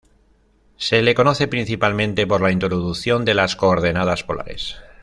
Se le conoce principalmente por la introducción de las coordenadas polares.